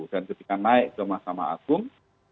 dan ketika naik sama sama agung